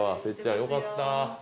せっちゃんよかった。